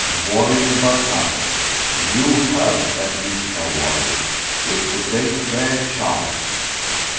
Worry about nothing. You HAVE at least no worries. It's a great rare chance."